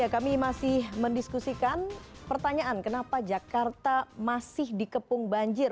kami masih mendiskusikan pertanyaan kenapa jakarta masih dikepung banjir